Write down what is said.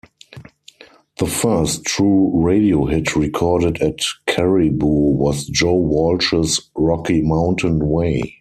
The first true radio hit recorded at Caribou was Joe Walsh's "Rocky Mountain Way".